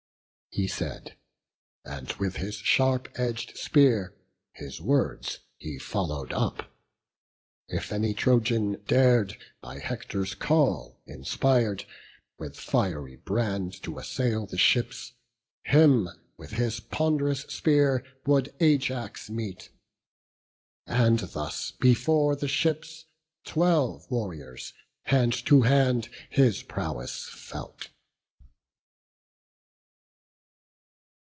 He said; and with his sharp edg'd spear his words He follow'd up; if any Trojan dar'd, By Hector's call inspir'd, with fiery brand To assail the ships, him with his ponderous spear Would Ajax meet; and thus before the ships Twelve warriors, hand to hand, his prowess felt.